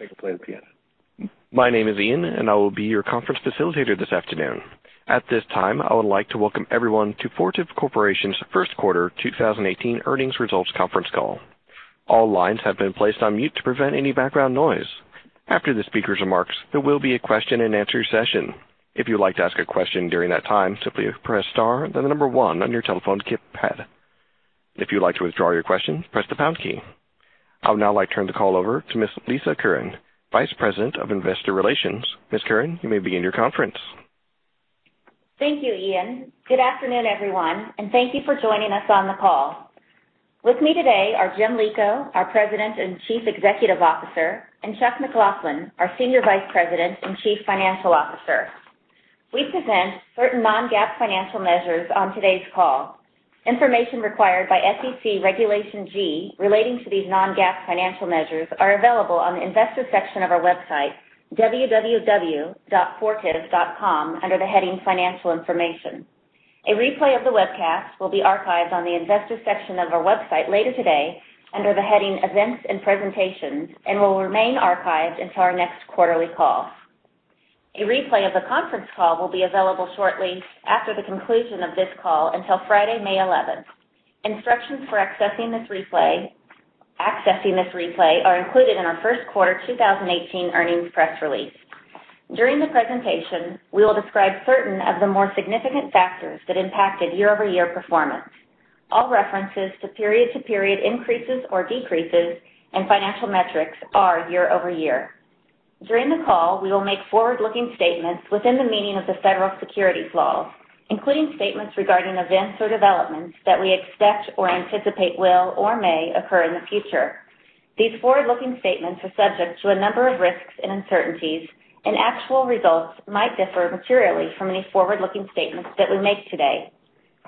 I can play the piano. My name is Ian, and I will be your conference facilitator this afternoon. At this time, I would like to welcome everyone to Fortive Corporation's first quarter 2018 earnings results conference call. All lines have been placed on mute to prevent any background noise. After the speaker's remarks, there will be a question and answer session. If you would like to ask a question during that time, simply press star then the number 1 on your telephone keypad. If you'd like to withdraw your question, press the pound key. I would now like to turn the call over to Ms. Lisa Curran, Vice President of Investor Relations. Ms. Curran, you may begin your conference. Thank you, Ian. Good afternoon, everyone, and thank you for joining us on the call. With me today are Jim Lico, our President and Chief Executive Officer, and Chuck McLaughlin, our Senior Vice President and Chief Financial Officer. We present certain non-GAAP financial measures on today's call. Information required by SEC Regulation G relating to these non-GAAP financial measures are available on the investor section of our website, www.fortive.com, under the heading Financial Information. A replay of the webcast will be archived on the investors section of our website later today under the heading Events and Presentations and will remain archived until our next quarterly call. A replay of the conference call will be available shortly after the conclusion of this call until Friday, May 11th. Instructions for accessing this replay are included in our first quarter 2018 earnings press release. During the presentation, we will describe certain of the more significant factors that impacted year-over-year performance. All references to period-to-period increases or decreases in financial metrics are year-over-year. During the call, we will make forward-looking statements within the meaning of the federal securities laws, including statements regarding events or developments that we expect or anticipate will or may occur in the future. These forward-looking statements are subject to a number of risks and uncertainties, and actual results might differ materially from any forward-looking statements that we make today.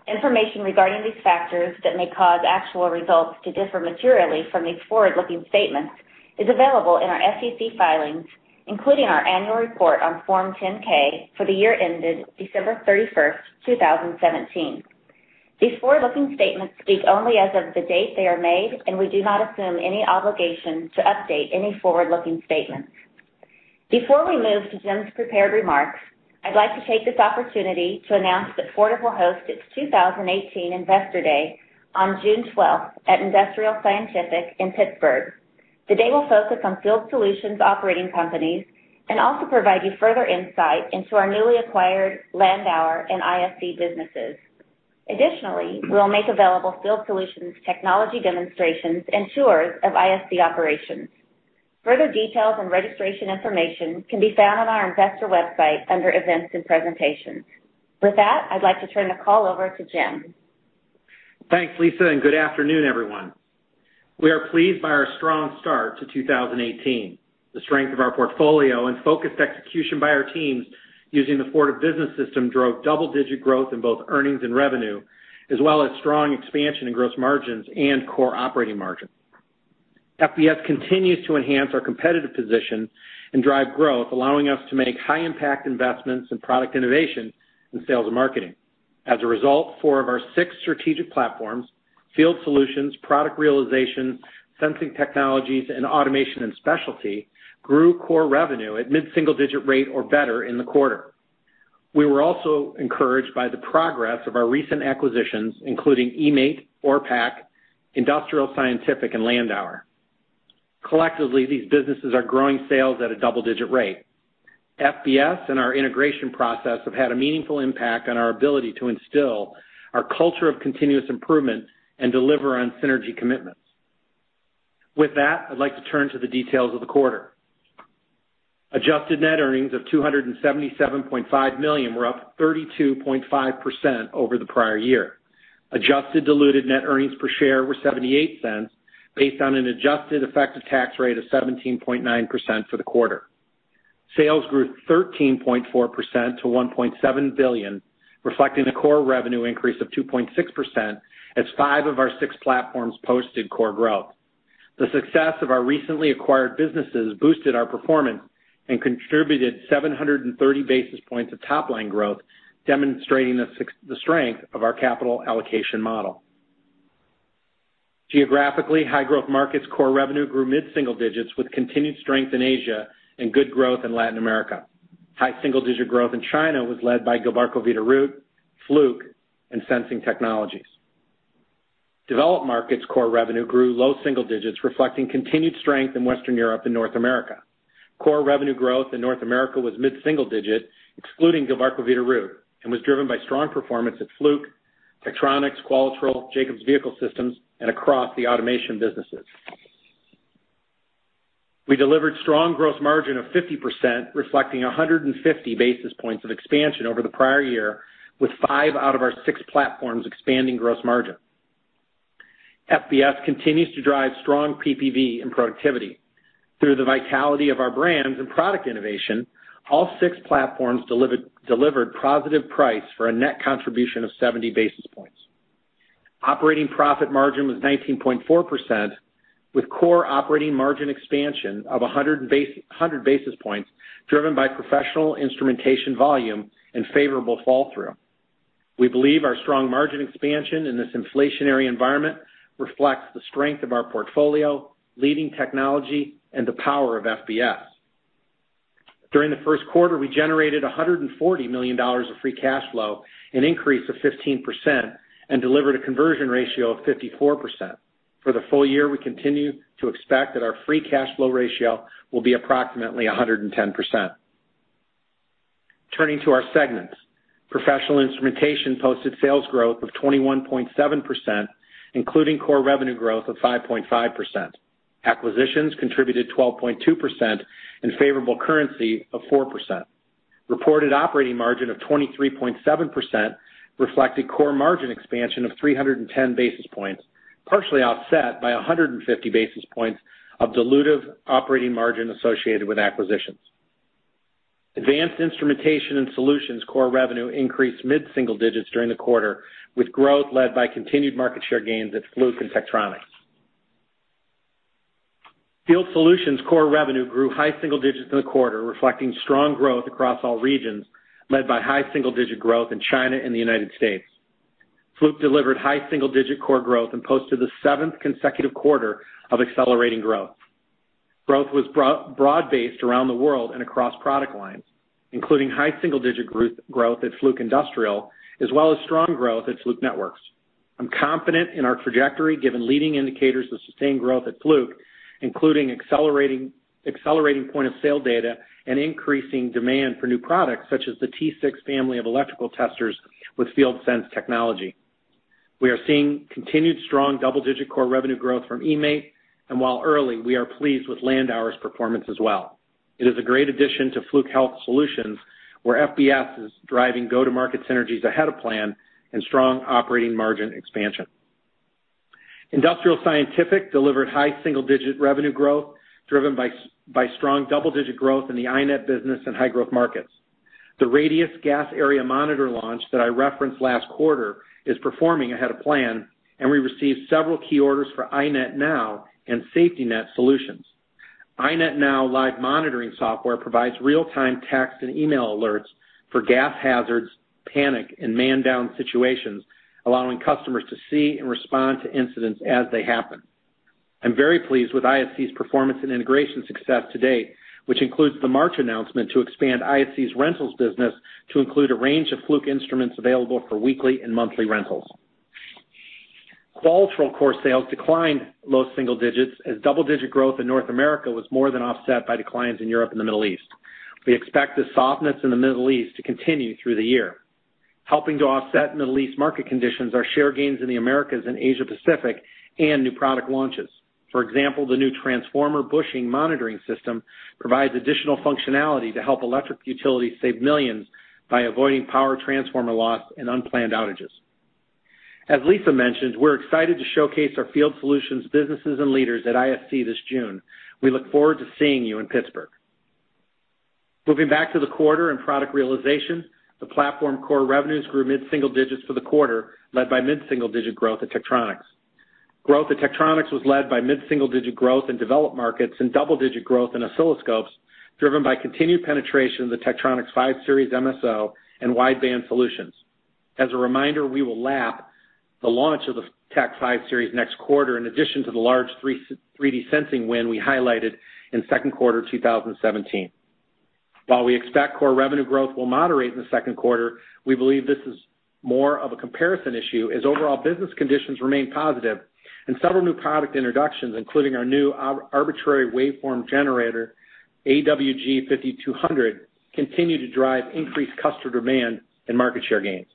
Information regarding these factors that may cause actual results to differ materially from these forward-looking statements is available in our SEC filings, including our annual report on Form 10-K for the year ended December 31st, 2017. These forward-looking statements speak only as of the date they are made, and we do not assume any obligation to update any forward-looking statements. Before we move to Jim's prepared remarks, I'd like to take this opportunity to announce that Fortive will host its 2018 Investor Day on June 12th at Industrial Scientific in Pittsburgh. The day will focus on Field Solutions operating companies and also provide you further insight into our newly acquired Landauer and ISC businesses. Additionally, we'll make available Field Solutions technology demonstrations and tours of ISC operations. Further details and registration information can be found on our investor website under Events and Presentations. With that, I'd like to turn the call over to Jim. Thanks, Lisa, and good afternoon, everyone. We are pleased by our strong start to 2018. The strength of our portfolio and focused execution by our teams using the Fortive Business System drove double-digit growth in both earnings and revenue, as well as strong expansion in gross margins and core operating margins. FBS continues to enhance our competitive position and drive growth, allowing us to make high-impact investments in product innovation and sales and marketing. As a result, four of our six strategic platforms, Field Solutions, Product Realization, Sensing Technologies, and Automation and Specialty, grew core revenue at mid-single digit rate or better in the quarter. We were also encouraged by the progress of our recent acquisitions, including eMaint, Orpak, Industrial Scientific, and Landauer. Collectively, these businesses are growing sales at a double-digit rate. FBS and our integration process have had a meaningful impact on our ability to instill our culture of continuous improvement and deliver on synergy commitments. With that, I'd like to turn to the details of the quarter. Adjusted net earnings of $277.5 million were up 32.5% over the prior year. Adjusted diluted net earnings per share were $0.78 based on an adjusted effective tax rate of 17.9% for the quarter. Sales grew 13.4% to $1.7 billion, reflecting a core revenue increase of 2.6% as five of our six platforms posted core growth. The success of our recently acquired businesses boosted our performance and contributed 730 basis points of top-line growth, demonstrating the strength of our capital allocation model. Geographically, high-growth markets' core revenue grew mid-single digits with continued strength in Asia and good growth in Latin America. High single-digit growth in China was led by Gilbarco Veeder-Root, Fluke, and Sensing Technologies. Developed markets' core revenue grew low single digits, reflecting continued strength in Western Europe and North America. Core revenue growth in North America was mid-single digit, excluding Gilbarco Veeder-Root, and was driven by strong performance at Fluke, Tektronix, Qualitrol, Jacobs Vehicle Systems, and across the automation businesses. We delivered strong gross margin of 50%, reflecting 150 basis points of expansion over the prior year, with five out of our six platforms expanding gross margin. FBS continues to drive strong PPV and productivity. Through the vitality of our brands and product innovation, all six platforms delivered positive price for a net contribution of 70 basis points. Operating profit margin was 19.4%, with core operating margin expansion of 100 basis points driven by Professional Instrumentation volume and favorable fall-through. We believe our strong margin expansion in this inflationary environment reflects the strength of our portfolio, leading technology, and the power of FBS. During the first quarter, we generated $140 million of free cash flow, an increase of 15%, and delivered a conversion ratio of 54%. For the full year, we continue to expect that our free cash flow ratio will be approximately 110%. Turning to our segments. Professional Instrumentation posted sales growth of 21.7%, including core revenue growth of 5.5%. Acquisitions contributed 12.2% and favorable currency of 4%. Reported operating margin of 23.7% reflected core margin expansion of 310 basis points, partially offset by 150 basis points of dilutive operating margin associated with acquisitions. Advanced instrumentation and solutions core revenue increased mid-single digits during the quarter, with growth led by continued market share gains at Fluke and Tektronix. Field Solutions core revenue grew high single digits in the quarter, reflecting strong growth across all regions, led by high single-digit growth in China and the U.S. Fluke delivered high single-digit core growth and posted the seventh consecutive quarter of accelerating growth. Growth was broad-based around the world and across product lines, including high single-digit growth at Fluke Industrial, as well as strong growth at Fluke Networks. I'm confident in our trajectory given leading indicators of sustained growth at Fluke, including accelerating point-of-sale data and increasing demand for new products such as the T6 family of electrical testers with FieldSense technology. We are seeing continued strong double-digit core revenue growth from eMaint, and while early, we are pleased with Landauer's performance as well. It is a great addition to Fluke Health Solutions, where FBS is driving go-to-market synergies ahead of plan and strong operating margin expansion. Industrial Scientific delivered high single-digit revenue growth driven by strong double-digit growth in the iNet business and high-growth markets. The Radius Gas Area Monitor launch that I referenced last quarter is performing ahead of plan. We received several key orders for iNet Now and SafetyNet solutions. iNet Now live monitoring software provides real-time text and email alerts for gas hazards, panic, and man-down situations, allowing customers to see and respond to incidents as they happen. I'm very pleased with ISC's performance and integration success to date, which includes the March announcement to expand ISC's rentals business to include a range of Fluke instruments available for weekly and monthly rentals. Qualitrol core sales declined low single digits as double-digit growth in North America was more than offset by declines in Europe and the Middle East. We expect the softness in the Middle East to continue through the year. Helping to offset Middle East market conditions are share gains in the Americas and Asia Pacific and new product launches. For example, the new Transformer Bushing Monitoring System provides additional functionality to help electric utilities save millions by avoiding power transformer loss and unplanned outages. As Lisa mentioned, we're excited to showcase our Field Solutions businesses and leaders at ISC this June. We look forward to seeing you in Pittsburgh. Moving back to the quarter and Product Realization, the platform core revenues grew mid-single digits for the quarter, led by mid-single-digit growth at Tektronix. Growth at Tektronix was led by mid-single-digit growth in developed markets and double-digit growth in oscilloscopes, driven by continued penetration of the Tektronix 5 Series MSO and wideband solutions. As a reminder, we will lap the launch of the Tek 5 Series next quarter, in addition to the large 3D sensing win we highlighted in second quarter 2017. While we expect core revenue growth will moderate in the second quarter, we believe this is more of a comparison issue as overall business conditions remain positive, and several new product introductions, including our new Arbitrary Waveform Generator, AWG5200, continue to drive increased customer demand and market share gains.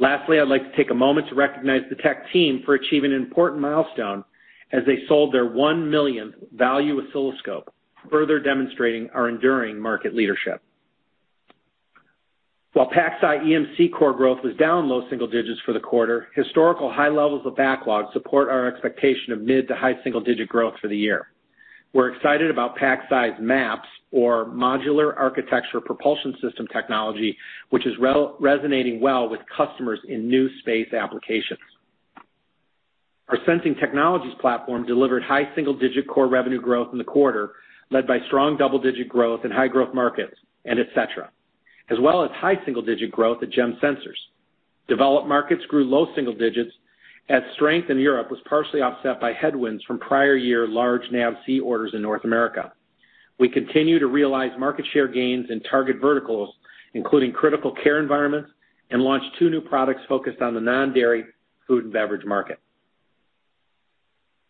Lastly, I'd like to take a moment to recognize the Tek team for achieving an important milestone as they sold their 1 millionth value oscilloscope, further demonstrating our enduring market leadership. While PacSci EMC core growth was down low single digits for the quarter, historical high levels of backlog support our expectation of mid to high single-digit growth for the year. We're excited about PacSci's MAPS, or Modular Architecture Propulsion System technology, which is resonating well with customers in new space applications. Our Sensing Technologies platform delivered high single-digit core revenue growth in the quarter, led by strong double-digit growth in high growth markets and et cetera, as well as high single-digit growth at Gems Sensors. Developed markets grew low single digits as strength in Europe was partially offset by headwinds from prior year large NAVSEA orders in North America. We continue to realize market share gains in target verticals, including critical care environments, and launched two new products focused on the non-dairy food and beverage market.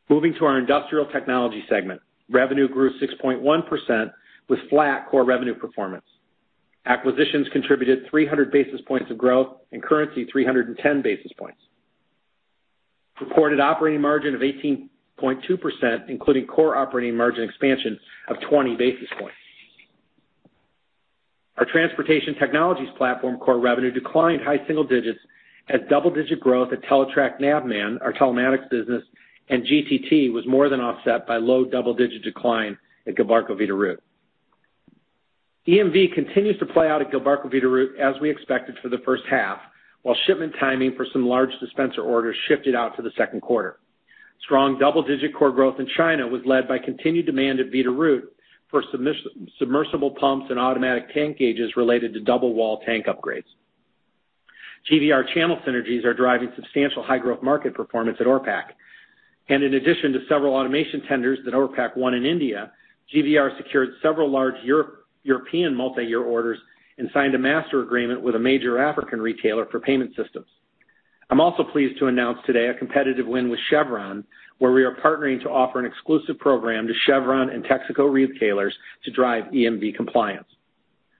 Moving to our Industrial Technologies segment. Revenue grew 6.1% with flat core revenue performance. Acquisitions contributed 300 basis points of growth and currency 310 basis points. Reported operating margin of 18.2%, including core operating margin expansion of 20 basis points. Our Transportation Technologies platform core revenue declined high single digits as double-digit growth at Teletrac Navman, our telematics business, and GTT was more than offset by low double-digit decline at Gilbarco Veeder-Root. EMV continues to play out at Gilbarco Veeder-Root as we expected for the first half, while shipment timing for some large dispenser orders shifted out to the second quarter. Strong double-digit core growth in China was led by continued demand at Veeder-Root for submersible pumps and automatic tank gauges related to double wall tank upgrades. GVR channel synergies are driving substantial high growth market performance at Orpak. In addition to several automation tenders that Orpak won in India, GVR secured several large European multi-year orders and signed a master agreement with a major African retailer for payment systems. I'm also pleased to announce today a competitive win with Chevron, where we are partnering to offer an exclusive program to Chevron and Texaco retailers to drive EMV compliance.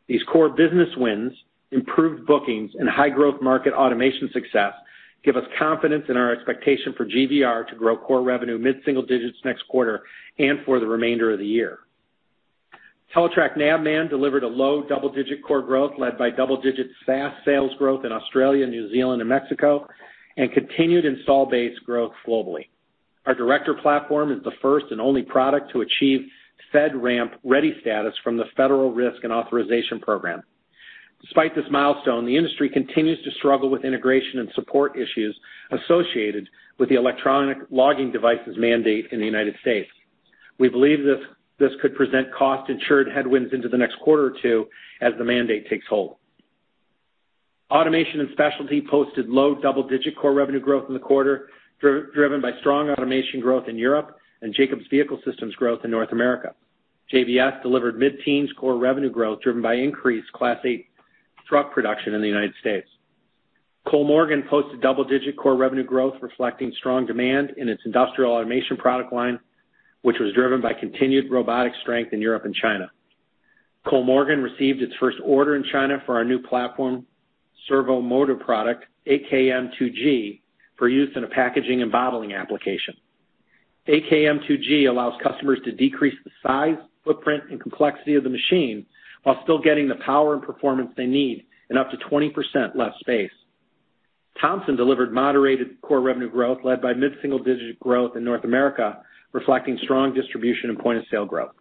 These core business wins, improved bookings, and high growth market automation success give us confidence in our expectation for GVR to grow core revenue mid-single digits next quarter and for the remainder of the year. Teletrac Navman delivered a low double-digit core growth led by double-digit SaaS sales growth in Australia, New Zealand, and Mexico, and continued install base growth globally. Our Director platform is the first and only product to achieve FedRAMP Ready status from the Federal Risk and Authorization Program. Despite this milestone, the industry continues to struggle with integration and support issues associated with the electronic logging devices mandate in the United States. We believe this could present cost headwinds into the next quarter or two as the mandate takes hold. Automation and Specialty posted low double-digit core revenue growth in the quarter, driven by strong automation growth in Europe and Jacobs Vehicle Systems growth in North America. JVS delivered mid-teens core revenue growth, driven by increased Class 8 truck production in the U.S. Kollmorgen posted double-digit core revenue growth, reflecting strong demand in its industrial automation product line, which was driven by continued robotic strength in Europe and China. Kollmorgen received its first order in China for our new platform servo motor product, AKM2G, for use in a packaging and bottling application. AKM2G allows customers to decrease the size, footprint, and complexity of the machine while still getting the power and performance they need in up to 20% less space. Thomson delivered moderated core revenue growth led by mid-single digit growth in North America, reflecting strong distribution and point-of-sale growth.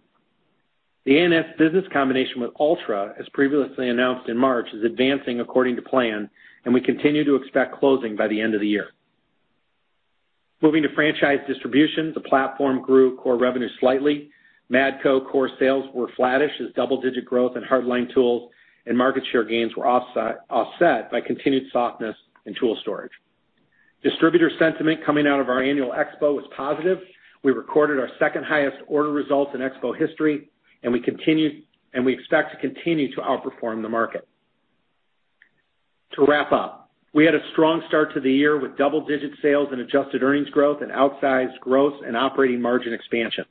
The A&S business combination with Altra, as previously announced in March, is advancing according to plan. We continue to expect closing by the end of the year. Moving to Franchise Distribution, the platform grew core revenue slightly. Matco core sales were flattish as double-digit growth in hard line tools and market share gains were offset by continued softness in tool storage. Distributor sentiment coming out of our annual expo was positive. We recorded our second highest order results in expo history, and we expect to continue to outperform the market. To wrap up, we had a strong start to the year with double-digit sales and adjusted earnings growth and outsized growth and operating margin expansion.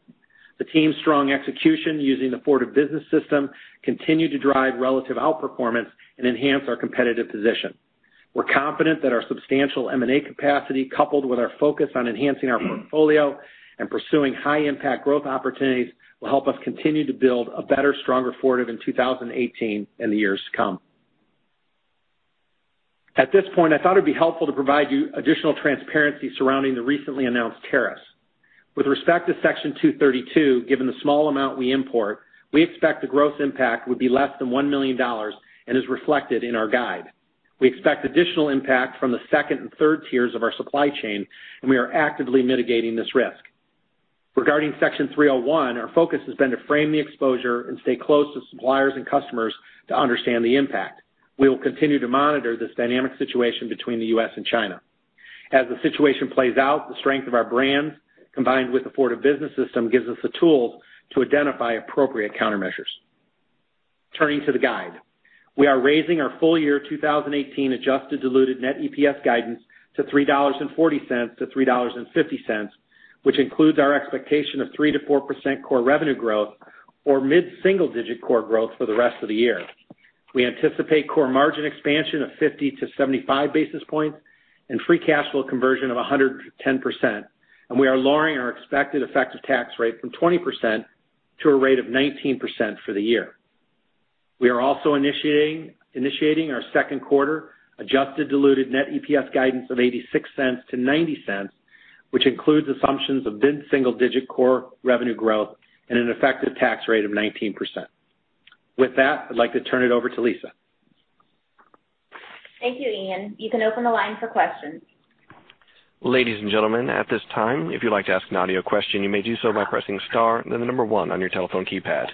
The team's strong execution using the Fortive Business System continued to drive relative outperformance and enhance our competitive position. We are confident that our substantial M&A capacity, coupled with our focus on enhancing our portfolio and pursuing high impact growth opportunities, will help us continue to build a better, stronger Fortive in 2018 and the years to come. At this point, I thought it would be helpful to provide you additional transparency surrounding the recently announced tariffs. With respect to Section 232, given the small amount we import, we expect the growth impact would be less than $1 million and is reflected in our guide. We expect additional impact from the second and third tiers of our supply chain, and we are actively mitigating this risk. Regarding Section 301, our focus has been to frame the exposure and stay close to suppliers and customers to understand the impact. We will continue to monitor this dynamic situation between the U.S. and China. As the situation plays out, the strength of our brands, combined with the Fortive Business System, gives us the tools to identify appropriate countermeasures. Turning to the guide. We are raising our full year 2018 adjusted diluted net EPS guidance to $3.40-$3.50, which includes our expectation of 3%-4% core revenue growth or mid-single digit core growth for the rest of the year. We anticipate core margin expansion of 50-75 basis points and free cash flow conversion of 110%. We are lowering our expected effective tax rate from 20% to a rate of 19% for the year. We are also initiating our second quarter adjusted diluted net EPS guidance of $0.86-$0.90, which includes assumptions of mid-single digit core revenue growth and an effective tax rate of 19%. With that, I'd like to turn it over to Lisa. Thank you, Ian. You can open the line for questions. Ladies and gentlemen, at this time, if you'd like to ask an audio question, you may do so by pressing star then the number 1 on your telephone keypad.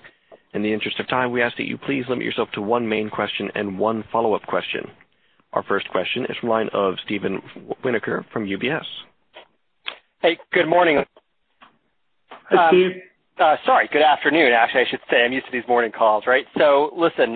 In the interest of time, we ask that you please limit yourself to one main question and one follow-up question. Our first question is from the line of Steven Winoker from UBS. Hey, good morning. Hi, Steve. Sorry, good afternoon, actually, I should say. I'm used to these morning calls, right? Listen,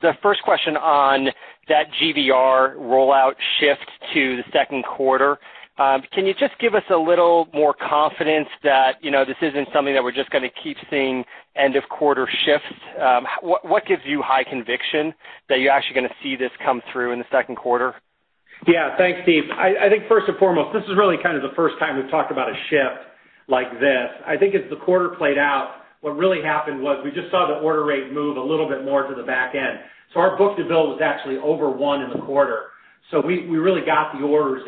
the first question on that GVR rollout shift to the second quarter. Can you just give us a little more confidence that this isn't something that we're just going to keep seeing end of quarter shifts? What gives you high conviction that you're actually going to see this come through in the second quarter? Yeah. Thanks, Steve. I think first and foremost, this is really kind of the first time we've talked about a shift like this. I think as the quarter played out, what really happened was we just saw the order rate move a little bit more to the back end. Our book to bill was actually over one in the quarter. We really got the orders.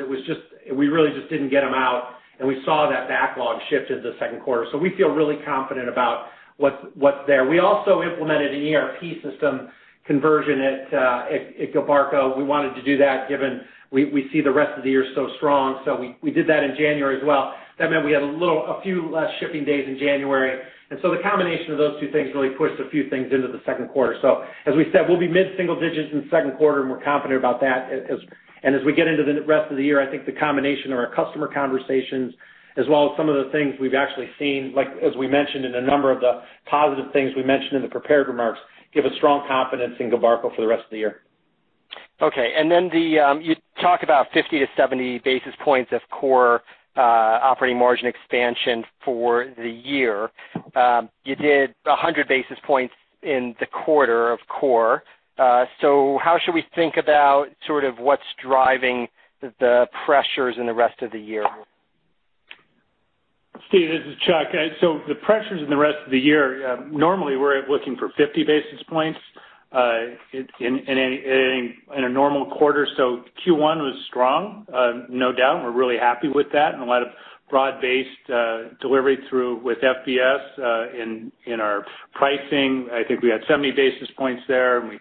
We really just didn't get them out, and we saw that backlog shift into the second quarter. We feel really confident about what's there. We also implemented an ERP system conversion at Gilbarco. We wanted to do that given we see the rest of the year so strong. We did that in January as well. That meant we had a few less shipping days in January. The combination of those two things really pushed a few things into the second quarter. As we said, we'll be mid-single digits in the second quarter, and we're confident about that. As we get into the rest of the year, I think the combination of our customer conversations as well as some of the things we've actually seen, as we mentioned in a number of the positive things we mentioned in the prepared remarks, give us strong confidence in Gilbarco for the rest of the year. Okay, you talk about 50 to 70 basis points of core operating margin expansion for the year. You did 100 basis points in the quarter of core. How should we think about sort of what's driving the pressures in the rest of the year? Steve, this is Chuck. The pressures in the rest of the year, normally we're looking for 50 basis points in a normal quarter. Q1 was strong. No doubt. We're really happy with that, a lot of broad-based delivery through with FBS in our pricing. I think we had 70 basis points there, we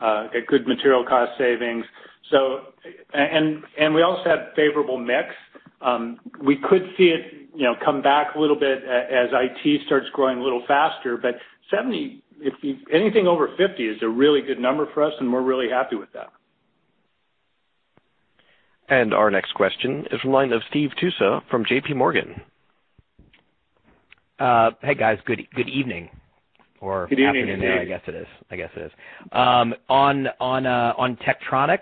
had good material cost savings. We also had favorable mix. We could see it come back a little bit as IT starts growing a little faster, 70, anything over 50 is a really good number for us, we're really happy with that. Our next question is from the line of Steve Tusa from JPMorgan. Hey, guys. Good evening. Good evening, Steve. Afternoon, I guess it is. On Tektronix,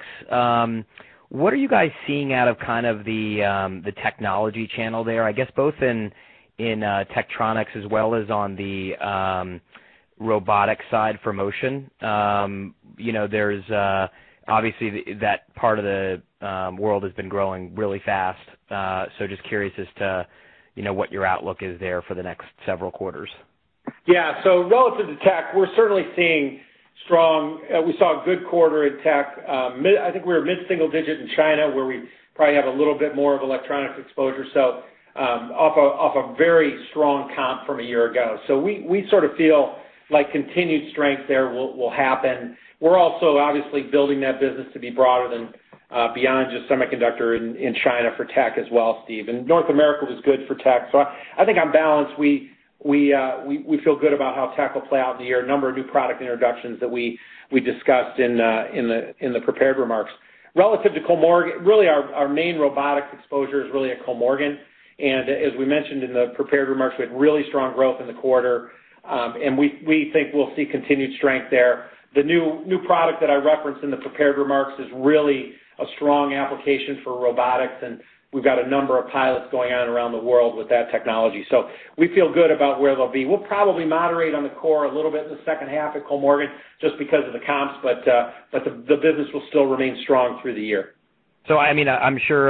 what are you guys seeing out of kind of the technology channel there? I guess both in Tektronix as well as on the robotics side for motion. Obviously, that part of the world has been growing really fast. Just curious as to what your outlook is there for the next several quarters. Relative to tech, we saw a good quarter in tech. I think we were mid-single digit in China, where we probably have a little bit more of electronic exposure, off a very strong comp from a year ago. We sort of feel like continued strength there will happen. We're also obviously building that business to be broader than beyond just semiconductor in China for tech as well, Steve. North America was good for tech. I think on balance, we feel good about how tech will play out in the year. A number of new product introductions that we discussed in the prepared remarks. Relative to Kollmorgen, really our main robotic exposure is really at Kollmorgen, and as we mentioned in the prepared remarks, we had really strong growth in the quarter, and we think we'll see continued strength there. The new product that I referenced in the prepared remarks is really a strong application for robotics, and we've got a number of pilots going on around the world with that technology. We feel good about where they'll be. We'll probably moderate on the core a little bit in the second half at Kollmorgen, just because of the comps, the business will still remain strong through the year. I'm sure,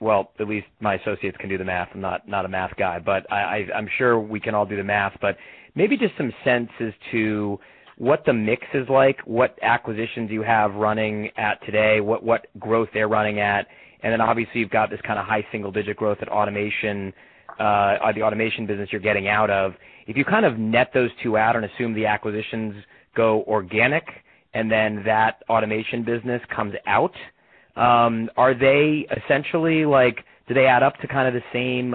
well, at least my associates can do the math. I'm not a math guy, I'm sure we can all do the math, maybe just some sense as to what the mix is like, what acquisitions you have running at today, what growth they're running at, obviously you've got this kind of high single-digit growth at the Automation business you're getting out of. If you kind of net those two out and assume the acquisitions go organic, that Automation business comes out, are they essentially like, do they add up to kind of the same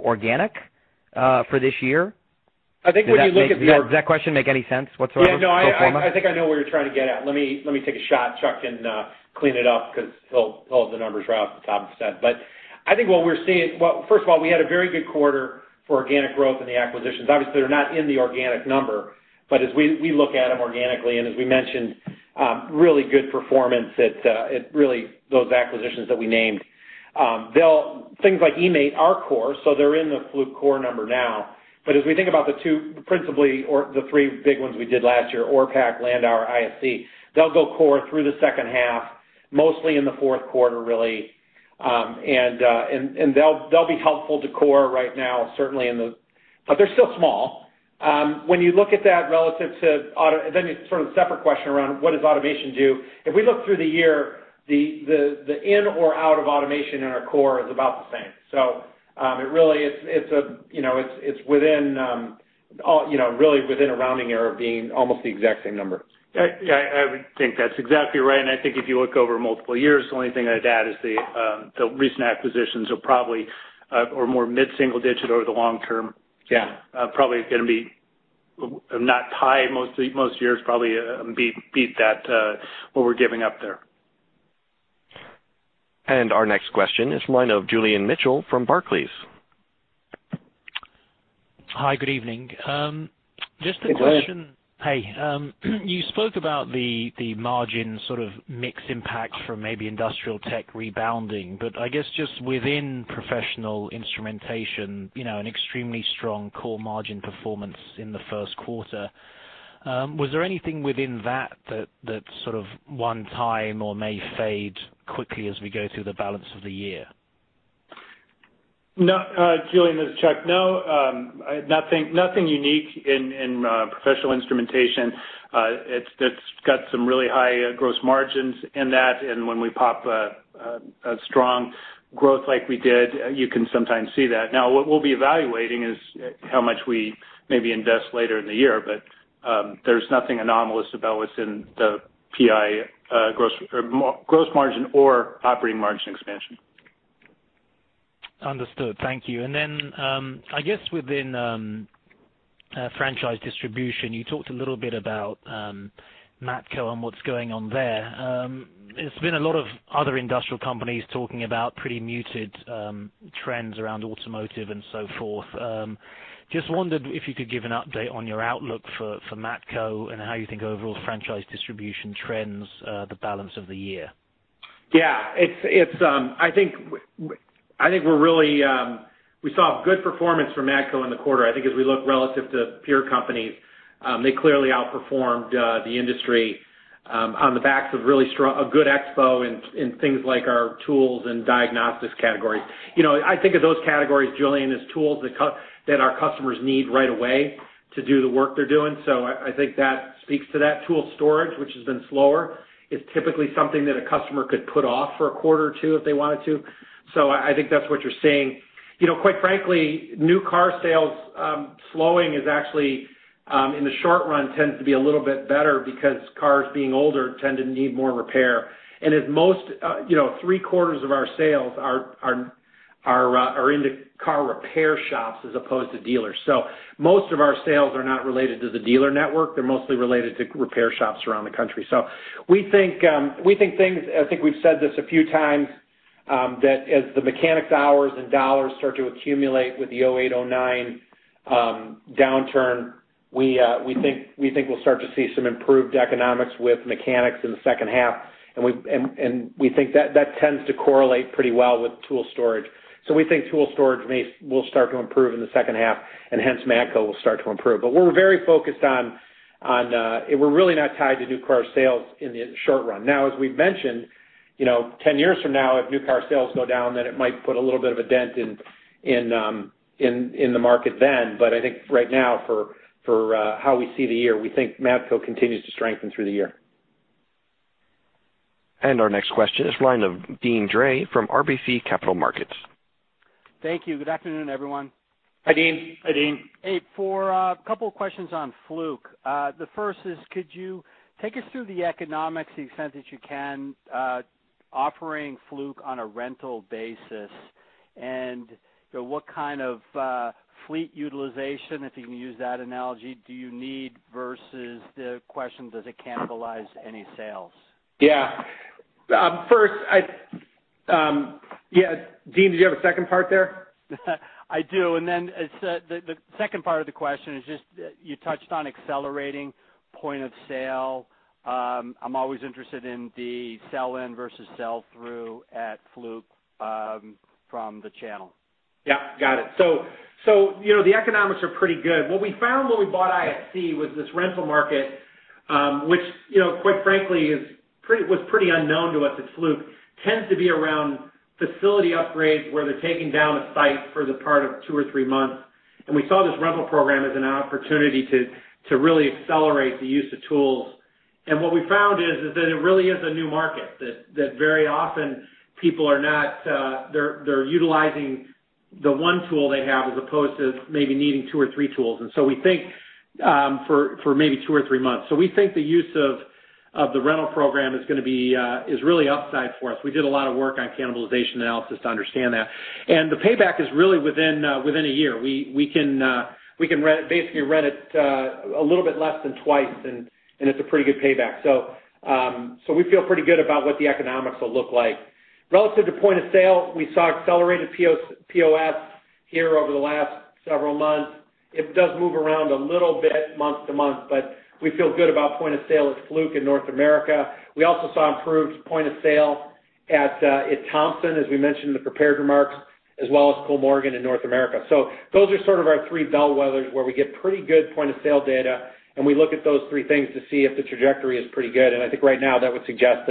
organic for this year? I think when you look at the- Does that question make any sense whatsoever? Yeah, no, I think I know where you're trying to get at. Let me take a shot. Chuck can clean it up because he'll have the numbers right off the top his head. I think what we're seeing, well, first of all, we had a very good quarter for organic growth in the acquisitions. Obviously, they're not in the organic number, as we look at them organically, as we mentioned, really good performance at really those acquisitions that we named. Things like eMaint are core, so they're in the Fluke core number now. As we think about principally the three big ones we did last year, Orpak, Landauer, ISC, they'll go core through the second half, mostly in the fourth quarter, really. They'll be helpful to core right now, certainly, they're still small. It's sort of separate question around what does Automation do? If we look through the year, the in or out of automation in our core is about the same. It really is within a rounding error of being almost the exact same number. Yeah, I would think that's exactly right. I think if you look over multiple years, the only thing I'd add is the recent acquisitions are probably or more mid-single digit over the long term. Yeah. Probably going to be not tied most years, probably beat that, what we're giving up there. Our next question is the line of Julian Mitchell from Barclays. Hi, good evening. Hey, Julian. You spoke about the margin sort of mix impact from maybe Industrial Tech rebounding, but I guess just within Professional Instrumentation, an extremely strong core margin performance in the first quarter. Was there anything within that that sort of one-time or may fade quickly as we go through the balance of the year? Julian, this is Chuck. No, nothing unique in Professional Instrumentation. It's got some really high gross margins in that, and when we pop a strong growth like we did, you can sometimes see that. Now what we'll be evaluating is how much we maybe invest later in the year. There's nothing anomalous about what's in the PI gross margin or operating margin expansion. Understood. Thank you. I guess within Franchise Distribution, you talked a little bit about Matco and what's going on there. There's been a lot of other industrial companies talking about pretty muted trends around automotive and so forth. Just wondered if you could give an update on your outlook for Matco and how you think overall Franchise Distribution trends the balance of the year. Yeah. I think we saw good performance from Matco in the quarter. I think as we look relative to peer companies, they clearly outperformed the industry on the backs of a good expo in things like our tools and diagnostics category. I think of those categories, Julian, as tools that our customers need right away to do the work they're doing. I think that speaks to that tool storage, which has been slower. It's typically something that a customer could put off for a quarter or two if they wanted to. I think that's what you're seeing. Quite frankly, new car sales slowing is actually, in the short run, tends to be a little bit better because cars being older tend to need more repair. As most, three-quarters of our sales are in the car repair shops as opposed to dealers. Most of our sales are not related to the dealer network. They're mostly related to repair shops around the country. We think we've said this a few times, that as the mechanics hours and dollars start to accumulate with the 2008, 2009 downturn, we think we'll start to see some improved economics with mechanics in the second half. We think that tends to correlate pretty well with tool storage. We think tool storage will start to improve in the second half, and hence Matco will start to improve. We're really not tied to new car sales in the short run. Now, as we've mentioned, 10 years from now, if new car sales go down, it might put a little bit of a dent in the market then. I think right now for how we see the year, we think Matco continues to strengthen through the year. Our next question is the line of Deane Dray from RBC Capital Markets. Thank you. Good afternoon, everyone. Hi, Deane. Hi, Deane. Abe, for a couple of questions on Fluke. The first is, could you take us through the economics to the extent that you can, offering Fluke on a rental basis and what kind of fleet utilization, if you can use that analogy, do you need, versus the question, does it cannibalize any sales? Yeah. Deane, did you have a second part there? I do, the second part of the question is just, you touched on accelerating point of sale. I'm always interested in the sell-in versus sell through at Fluke from the channel. Yeah, got it. The economics are pretty good. What we found when we bought ISC was this rental market, which quite frankly was pretty unknown to us at Fluke, tends to be around facility upgrades where they're taking down a site for the part of two or three months. We saw this rental program as an opportunity to really accelerate the use of tools. What we found is that it really is a new market that very often people are utilizing the one tool they have as opposed to maybe needing two or three tools for maybe two or three months. We think the use of the rental program is really upside for us. We did a lot of work on cannibalization analysis to understand that. The payback is really within a year. We can basically rent it a little bit less than twice, and it's a pretty good payback. We feel pretty good about what the economics will look like. Relative to point-of-sale, we saw accelerated POS here over the last several months. It does move around a little bit month to month, but we feel good about point-of-sale at Fluke in North America. We also saw improved point-of-sale at Thomson, as we mentioned in the prepared remarks, as well as Kollmorgen in North America. Those are sort of our three bellwethers where we get pretty good point-of-sale data, and we look at those three things to see if the trajectory is pretty good. I think right now, that would suggest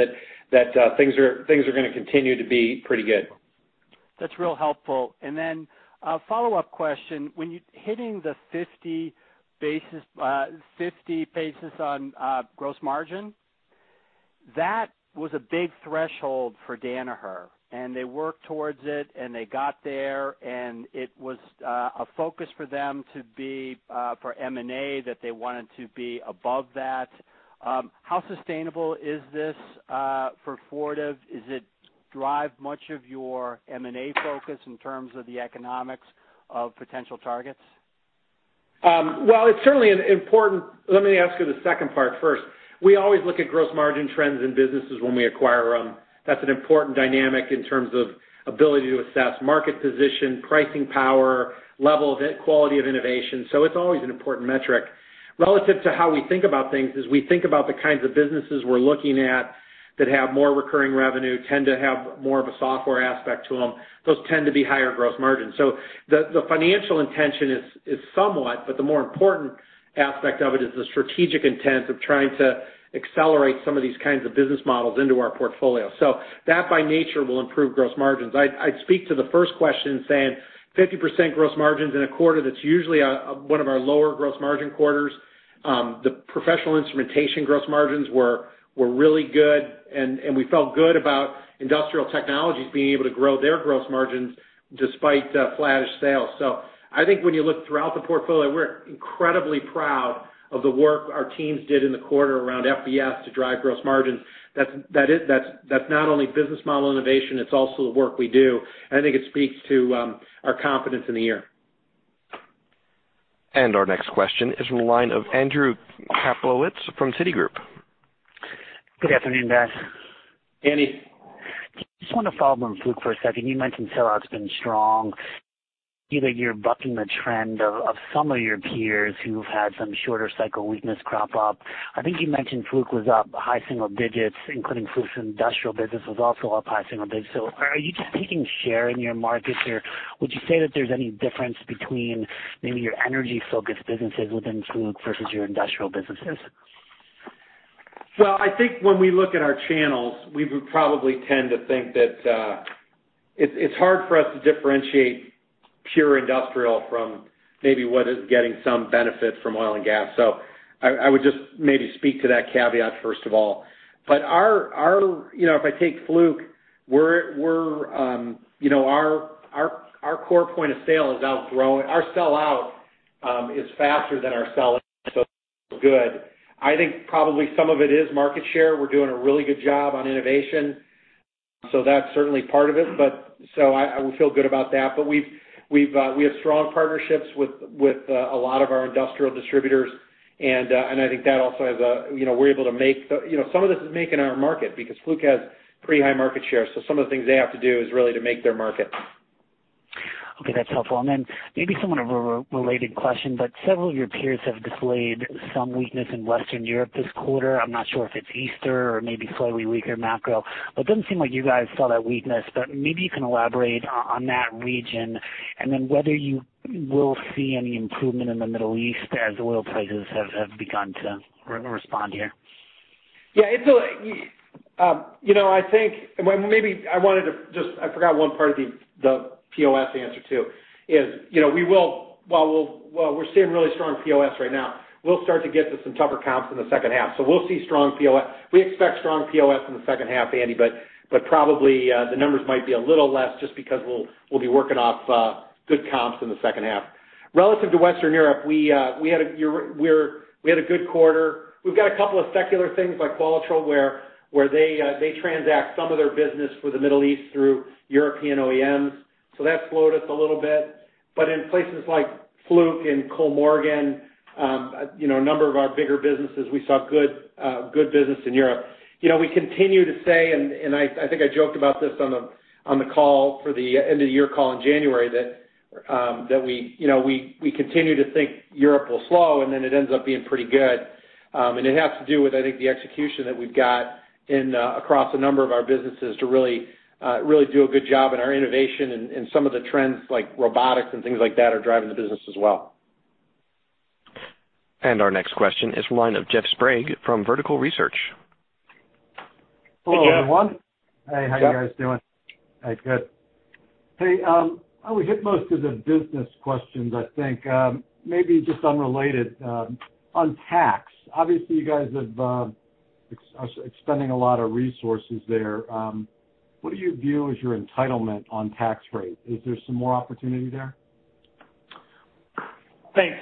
that things are going to continue to be pretty good. That's real helpful. Then a follow-up question. Hitting the 50 basis on gross margin, that was a big threshold for Danaher, and they worked towards it, and they got there, and it was a focus for them for M&A that they wanted to be above that. How sustainable is this for Fortive? Does it drive much of your M&A focus in terms of the economics of potential targets? It's certainly important. Let me ask you the second part first. We always look at gross margin trends in businesses when we acquire them That's an important dynamic in terms of ability to assess market position, pricing power, level of quality of innovation. It's always an important metric. Relative to how we think about things is we think about the kinds of businesses we're looking at that have more recurring revenue, tend to have more of a software aspect to them. Those tend to be higher gross margins. The financial intention is somewhat, but the more important aspect of it is the strategic intent of trying to accelerate some of these kinds of business models into our portfolio. That by nature will improve gross margins. I'd speak to the first question saying 50% gross margins in a quarter, that's usually one of our lower gross margin quarters. The Professional Instrumentation gross margins were really good, we felt good about Industrial Technologies being able to grow their gross margins despite flattish sales. I think when you look throughout the portfolio, we're incredibly proud of the work our teams did in the quarter around FBS to drive gross margins. That's not only business model innovation, it's also the work we do, and I think it speaks to our confidence in the year. Our next question is from the line of Andrew Kaplowitz from Citigroup. Good afternoon, guys. Andy. Just wanted to follow up on Fluke for a second. You mentioned sell-out's been strong. Either you're bucking the trend of some of your peers who've had some shorter cycle weakness crop up. I think you mentioned Fluke was up high single digits, including Fluke Industrial was also up high single digits. Are you just taking share in your market, or would you say that there's any difference between maybe your energy-focused businesses within Fluke versus your industrial businesses? I think when we look at our channels, we would probably tend to think that it's hard for us to differentiate pure industrial from maybe what is getting some benefit from oil and gas. I would just maybe speak to that caveat first of all. If I take Fluke, our core point of sale is outgrowing. Our sell-out is faster than our sell-in, so it's good. I think probably some of it is market share. We're doing a really good job on innovation, so that's certainly part of it. I would feel good about that. We have strong partnerships with a lot of our industrial distributors, and I think that also has. Some of this is making our market because Fluke has pretty high market share, so some of the things they have to do is really to make their market. Okay, that's helpful. Maybe somewhat of a related question, several of your peers have displayed some weakness in Western Europe this quarter. I'm not sure if it's Easter or maybe slightly weaker macro, it doesn't seem like you guys saw that weakness, maybe you can elaborate on that region and then whether you will see any improvement in the Middle East as oil prices have begun to respond here. Yeah. I think maybe I forgot one part of the POS answer, too, is while we're seeing really strong POS right now, we'll start to get to some tougher comps in the second half. We'll see strong POS. We expect strong POS in the second half, Andy, probably the numbers might be a little less just because we'll be working off good comps in the second half. Relative to Western Europe, we had a good quarter. We've got a couple of secular things like Qualitrol where they transact some of their business for the Middle East through European OEMs, so that slowed us a little bit. In places like Fluke and Kollmorgen, a number of our bigger businesses, we saw good business in Europe. We continue to say, I think I joked about this on the end-of-the-year call in January, that we continue to think Europe will slow, it ends up being pretty good. It has to do with, I think, the execution that we've got across a number of our businesses to really do a good job in our innovation and some of the trends like robotics and things like that are driving the business as well. Our next question is from the line of Jeff Sprague from Vertical Research Partners. Hey, Jeff. Hello, everyone. Hey, how you guys doing? Jeff. Good. Hey, well we hit most of the business questions, I think. Maybe just unrelated. On tax, obviously you guys have been expending a lot of resources there. What do you view as your entitlement on tax rate? Is there some more opportunity there? Thanks,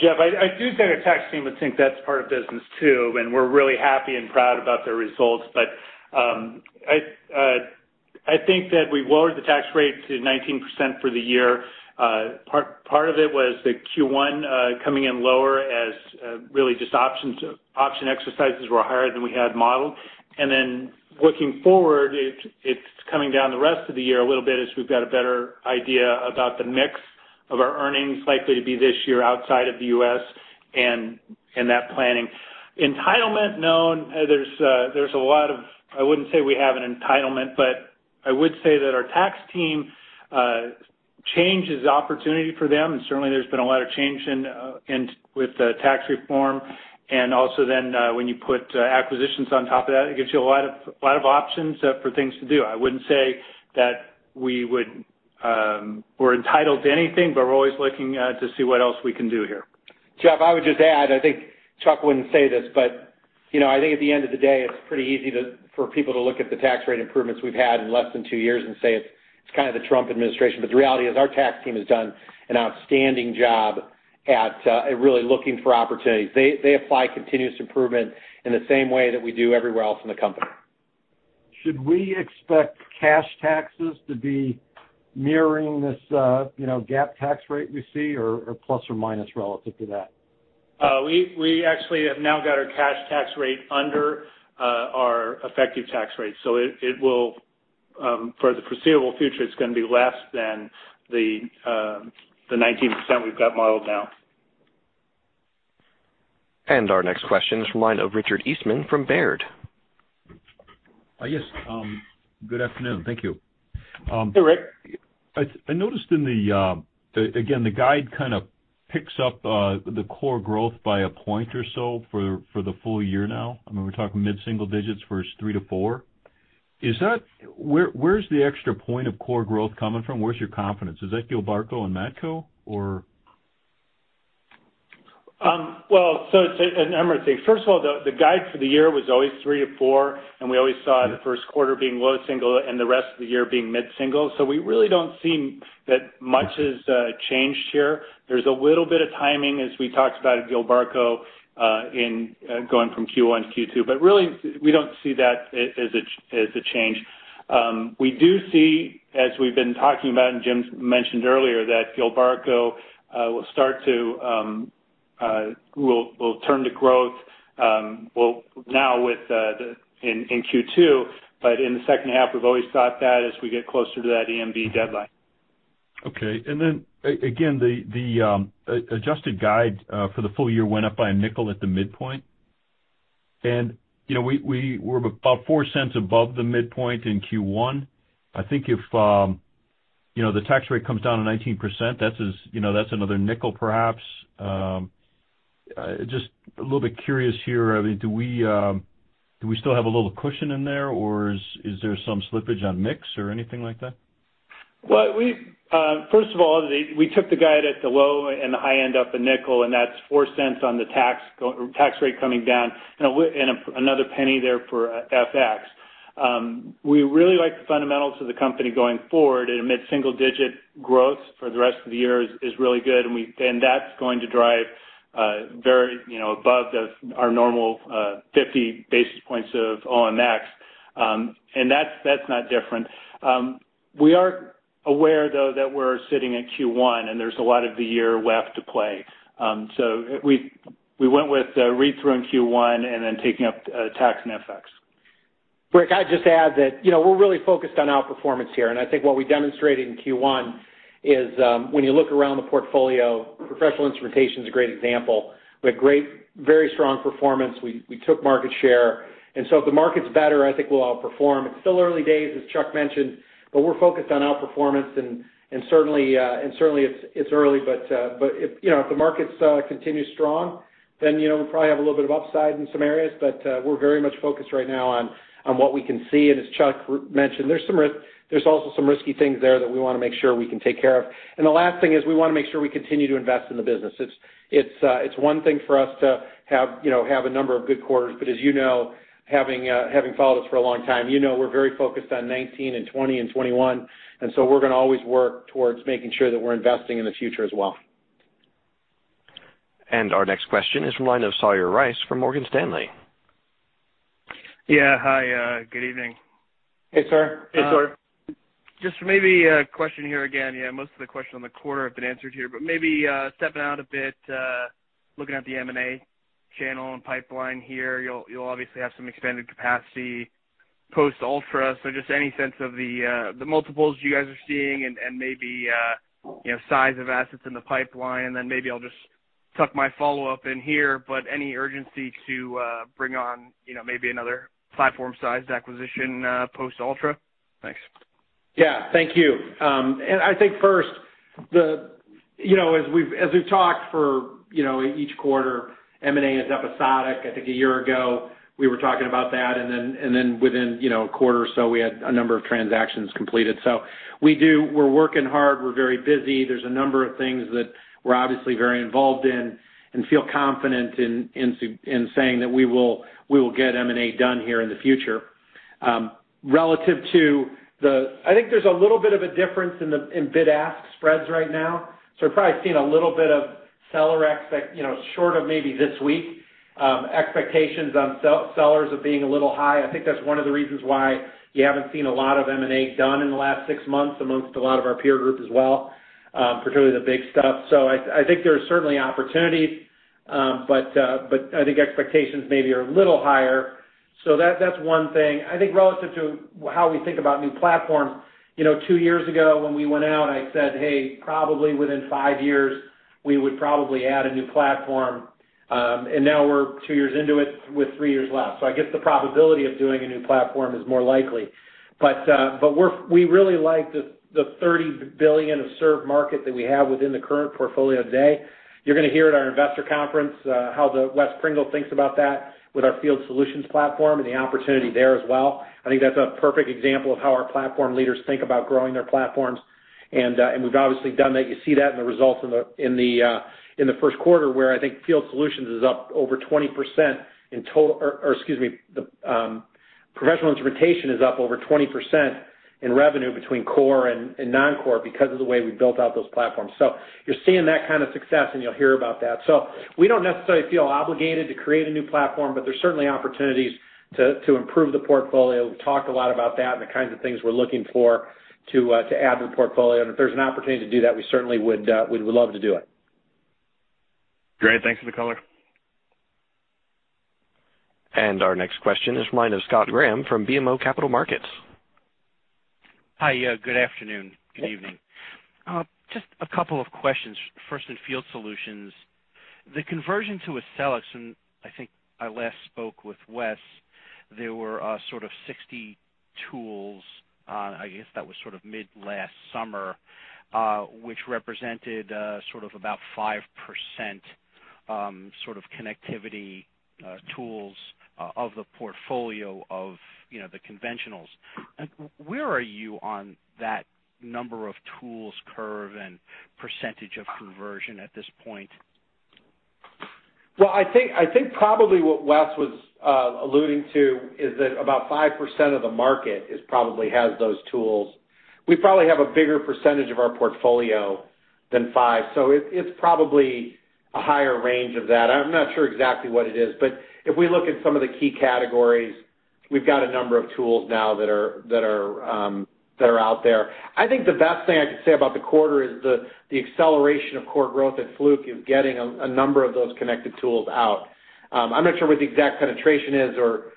Jeff. I do think our tax team would think that's part of business too, and we're really happy and proud about their results. I think that we lowered the tax rate to 19% for the year. Part of it was the Q1 coming in lower as really just option exercises were higher than we had modeled. Looking forward, it's coming down the rest of the year a little bit as we've got a better idea about the mix of our earnings likely to be this year outside of the U.S. and that planning. Entitlement? No. I wouldn't say we have an entitlement. I would say that our tax team, change is opportunity for them. Certainly there's been a lot of change with the tax reform. When you put acquisitions on top of that, it gives you a lot of options for things to do. I wouldn't say that we're entitled to anything. We're always looking to see what else we can do here. Jeff, I would just add, I think Chuck wouldn't say this. I think at the end of the day, it's pretty easy for people to look at the tax rate improvements we've had in less than two years and say it's kind of the Trump administration. The reality is our tax team has done an outstanding job at really looking for opportunities. They apply continuous improvement in the same way that we do everywhere else in the company. Should we expect cash taxes to be mirroring this GAAP tax rate we see or plus or minus relative to that? We actually have now got our cash tax rate under our effective tax rate. For the foreseeable future, it's going to be less than the 19% we've got modeled now. Our next question is from the line of Richard Eastman from Baird. Yes. Good afternoon. Thank you. Hey, Rick. I noticed in the, again, the guide kind of picks up the core growth by a point or so for the full year now. We're talking mid-single digits versus three to four. Where's the extra point of core growth coming from? Where's your confidence? Is that Gilbarco and Matco, or? Well, a number of things. First of all, the guide for the year was always three to four, and we always saw the first quarter being low single and the rest of the year being mid-single. We really don't see that much has changed here. There's a little bit of timing, as we talked about at Gilbarco, in going from Q1 to Q2. Really, we don't see that as a change. We do see, as we've been talking about, and Jim mentioned earlier, that Gilbarco will turn to growth now in Q2, but in the second half, we've always thought that as we get closer to that EMV deadline. Okay. Again, the adjusted guide for the full year went up by $0.05 at the midpoint. We're about $0.04 above the midpoint in Q1. I think if the tax rate comes down to 19%, that's another $0.05 perhaps. Just a little bit curious here. Do we still have a little cushion in there, or is there some slippage on mix or anything like that? Well, first of all, we took the guide at the low and the high end up $0.05, and that's $0.04 on the tax rate coming down, and another $0.01 there for FX. We really like the fundamentals of the company going forward at a mid-single digit growth for the rest of the year is really good, and that's going to drive above our normal 50 basis points of OMX, and that's not different. We are aware, though, that we're sitting at Q1 and there's a lot of the year left to play. We went with read-through in Q1 and then taking up tax and FX. Rick, I'd just add that we're really focused on outperformance here, and I think what we demonstrated in Q1 is when you look around the portfolio, Professional Instrumentation is a great example, with great, very strong performance. We took market share. If the market's better, I think we'll outperform. It's still early days, as Chuck mentioned, but we're focused on outperformance and certainly it's early, but if the markets continue strong, then we probably have a little bit of upside in some areas, but we're very much focused right now on what we can see. As Chuck mentioned, there's also some risky things there that we want to make sure we can take care of. The last thing is we want to make sure we continue to invest in the business. It's one thing for us to have a number of good quarters, but as you know, having followed us for a long time, you know we're very focused on 2019 and 2020 and 2021, and so we're going to always work towards making sure that we're investing in the future as well. Our next question is from the line of Sawyer Rice from Morgan Stanley. Yeah. Hi, good evening. Hey, Sawyer. Hey, Sawyer. Just maybe a question here again. Yeah, most of the questions on the quarter have been answered here, but maybe stepping out a bit, looking at the M&A channel and pipeline here, you'll obviously have some expanded capacity post Ultra. Just any sense of the multiples you guys are seeing and maybe size of assets in the pipeline? Maybe I'll just tuck my follow-up in here, but any urgency to bring on maybe another platform-sized acquisition post Ultra? Thanks. Yeah. Thank you. I think first, as we've talked for each quarter, M&A is episodic. I think a year ago we were talking about that, and then within a quarter or so we had a number of transactions completed. We're working hard. We're very busy. There's a number of things that we're obviously very involved in and feel confident in saying that we will get M&A done here in the future. I think there's a little bit of a difference in bid-ask spreads right now. We're probably seeing a little bit of seller expectations short of maybe this week, expectations on sellers of being a little high. I think that's one of the reasons why you haven't seen a lot of M&A done in the last six months amongst a lot of our peer group as well, particularly the big stuff. I think there's certainly opportunities, but I think expectations maybe are a little higher. That's one thing. I think relative to how we think about new platforms, two years ago when we went out, I said, "Hey, probably within five years we would probably add a new platform." Now we're two years into it with three years left. I guess the probability of doing a new platform is more likely. We really like the $30 billion of served market that we have within the current portfolio today. You're going to hear at our investor conference how Wes Pringle thinks about that with our Field Solutions platform and the opportunity there as well. I think that's a perfect example of how our platform leaders think about growing their platforms. We've obviously done that. You see that in the results in the first quarter where I think Field Solutions is up over 20% in total, or excuse me, Professional Instrumentation is up over 20% in revenue between core and non-core because of the way we built out those platforms. You're seeing that kind of success and you'll hear about that. We don't necessarily feel obligated to create a new platform, but there's certainly opportunities to improve the portfolio. We've talked a lot about that and the kinds of things we're looking for to add to the portfolio. If there's an opportunity to do that, we certainly would love to do it. Great. Thanks for the color. Our next question is line of Scott Graham from BMO Capital Markets. Hi, good afternoon. Good evening. Just a couple of questions. First, in Field Solutions, the conversion to Accelix, and I think I last spoke with Wes, there were sort of 60 tools, I guess that was sort of mid last summer, which represented sort of about 5% sort of connectivity tools of the portfolio of the conventionals. Where are you on that number of tools curve and percentage of conversion at this point? Well, I think probably what Wes was alluding to is that about 5% of the market probably has those tools. We probably have a bigger percentage of our portfolio than five. It's probably a higher range of that. I'm not sure exactly what it is, but if we look at some of the key categories, we've got a number of tools now that are out there. I think the best thing I could say about the quarter is the acceleration of core growth at Fluke is getting a number of those connected tools out. I'm not sure what the exact penetration is or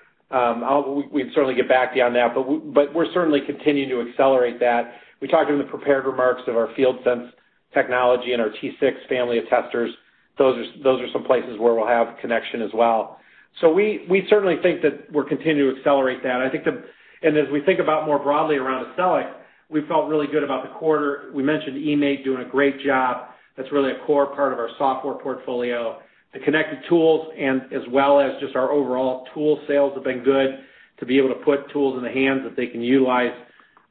we'd certainly get back to you on that, but we're certainly continuing to accelerate that. We talked in the prepared remarks of our FieldSense technology and our T6 family of testers. Those are some places where we'll have connection as well. We certainly think that we're continuing to accelerate that. As we think about more broadly around Accelix, we felt really good about the quarter. We mentioned eMaint doing a great job. That's really a core part of our software portfolio. The connected tools and as well as just our overall tool sales have been good to be able to put tools in the hands that they can utilize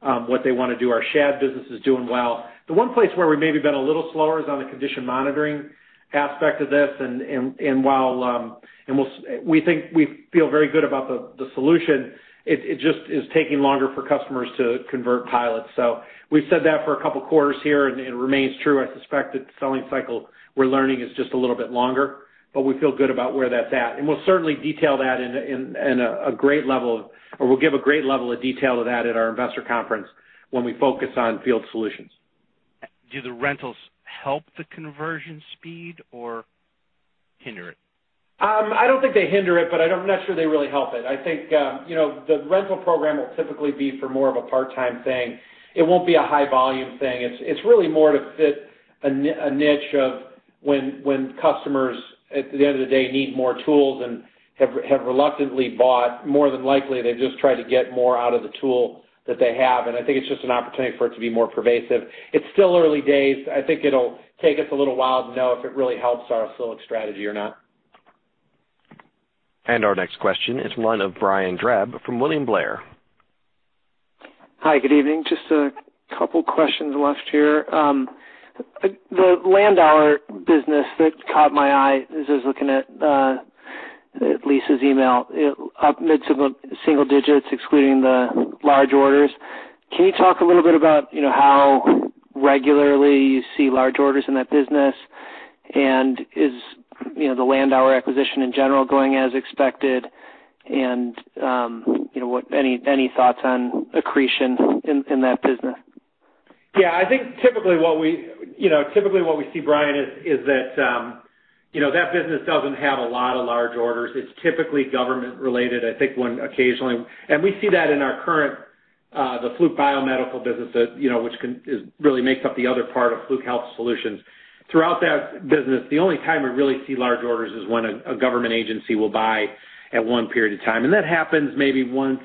what they want to do. Our share of business is doing well. The one place where we maybe have been a little slower is on the condition monitoring aspect of this, and while we feel very good about the solution, it just is taking longer for customers to convert pilots. We've said that for a couple quarters here, and it remains true. I suspect that the selling cycle we're learning is just a little bit longer, but we feel good about where that's at. We'll certainly detail that in a great level, or we'll give a great level of detail of that at our investor conference when we focus on Field Solutions. Do the rentals help the conversion speed or hinder it? I don't think they hinder it, but I'm not sure they really help it. I think the rental program will typically be for more of a part-time thing. It won't be a high volume thing. It's really more to fit a niche of when customers, at the end of the day, need more tools and have reluctantly bought, more than likely, they just try to get more out of the tool that they have. I think it's just an opportunity for it to be more pervasive. It's still early days. I think it'll take us a little while to know if it really helps our Accelix strategy or not. Our next question is line of Brian Drab from William Blair. Hi, good evening. Just a couple questions left here. The Landauer business that caught my eye is looking at Lisa's email, up mid-single digits, excluding the large orders. Can you talk a little bit about how regularly you see large orders in that business? Is the Landauer acquisition in general going as expected? Any thoughts on accretion in that business? Yeah, I think typically what we see, Brian, is that business doesn't have a lot of large orders. It's typically government-related, I think one occasionally. We see that in our current Fluke Biomedical business which really makes up the other part of Fluke Health Solutions. Throughout that business, the only time we really see large orders is when a government agency will buy at one period of time. That happens maybe once